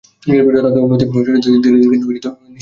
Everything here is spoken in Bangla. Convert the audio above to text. যথার্থ উন্নতি ধীরে ধীরে হয়, কিন্তু নিশ্চিতভাবে।